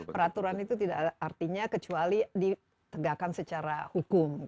peraturan itu tidak artinya kecuali ditegakkan secara hukum